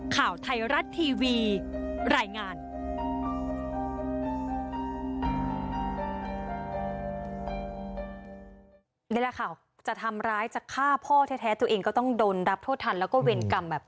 ข่าวไทยรัฐทีวีรายงาน